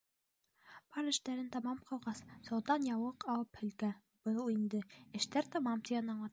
Бар эштәрен тамам ҡылғас, солтан яулыҡ алып һелкә, был инде: «Эштәр тамам!» тигәнде аңлата.